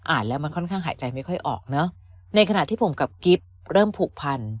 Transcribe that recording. แล้วมันค่อนข้างหายใจไม่ค่อยออกเนอะในขณะที่ผมกับกิฟต์เริ่มผูกพัน